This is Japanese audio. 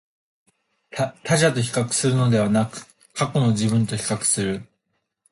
他者と比較するのではなく、過去の自分と比較する